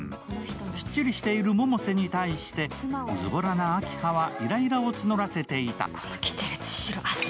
きっちりしている百瀬に対してずぼらな明葉はイライラを募らせていた。